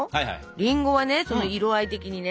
りんごは色合い的にね